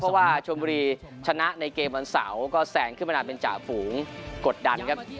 เพราะว่าชมบุรีชนะในเกมวันเสาร์ก็แซงขึ้นมานานเป็นจ่าฝูงกดดันครับ